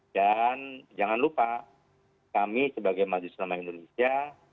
dan jangan lupa kami sebagai majelis selama indonesia